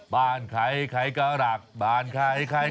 บ้านใครก็รักบ้านใครก็ห่วง